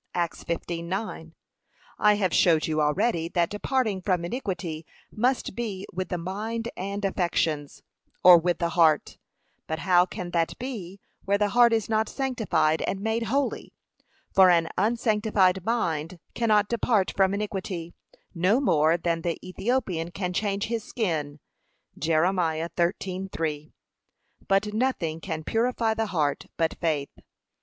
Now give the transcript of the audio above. (Acts 15:9) I have showed you already that departing from iniquity must be with the mind and affections, or with the heart. But how can that be, where the heart is not sanctified and made holy? For, an unsanctified mind cannot depart from iniquity, no more than the Ethiopian can change his skin. (Jer. 13:3) But nothing can purify the heart but faith.